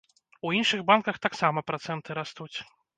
У іншых банках таксама працэнты растуць.